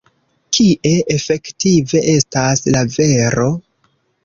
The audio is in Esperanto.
Kie efektive estas la vero?